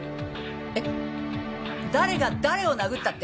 えっ誰が誰を殴ったって？